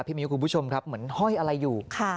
มิ้วคุณผู้ชมครับเหมือนห้อยอะไรอยู่